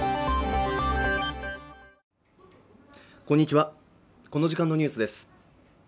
こんにちはこの時間のニュースです